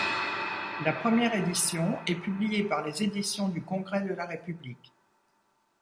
La première édition est publiée par les éditions du Congrès de la République.